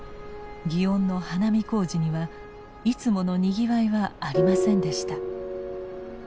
祇園の花見小路にはいつものにぎわいはありませんでした。